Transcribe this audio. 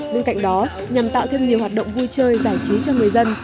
bên cạnh đó nhằm tạo thêm nhiều hoạt động vui chơi giải trí cho người dân